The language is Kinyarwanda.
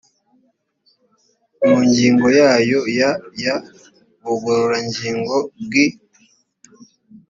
mu ngingo yayo ya y ubugororangingo bw i